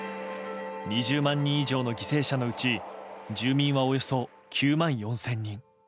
２０万人以上の犠牲者のうち住民はおよそ９万４０００人。